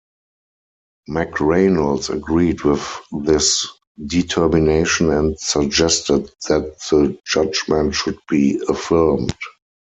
McReynolds agreed with this determination and suggested that the judgment should be affirmed.